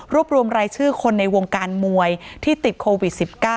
รวมรวมรายชื่อคนในวงการมวยที่ติดโควิด๑๙